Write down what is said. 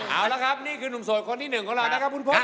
เอาละครับนี่คือนุ่มโสดความที่หนึ่งของเรานักการณภนพบครับ